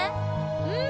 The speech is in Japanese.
うん！